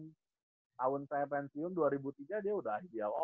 tahun saya pensiun dua ribu tiga dia udah ideal